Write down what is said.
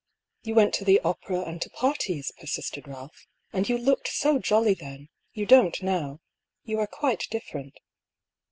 " You went to the opera and to parties, persisted Balph. "And you looked so jolly then. You don't now. You are quite different."